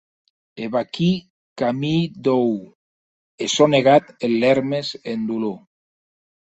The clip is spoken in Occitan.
E vaquí qu’amii dòu, e sò negat en lèrmes e en dolor.